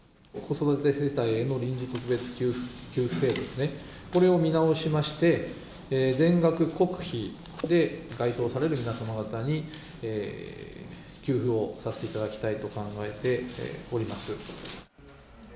子育て世帯への臨時特別給付手当ですね、これを見直しまして、全額国費で、該当される皆様方に、給付をさせていただきたいと考えております。